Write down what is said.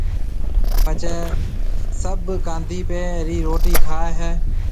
پڇيَ سڀ ڪانڌِيَپي رِي روٽِي کائيَ ھيََََ